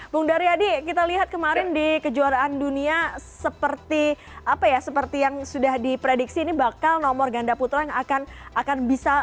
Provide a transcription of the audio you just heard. bung daryadi kita lihat kemarin di kejuaraan dunia seperti apa ya seperti yang sudah diprediksi ini bakal nomor ganda putra yang akan bisa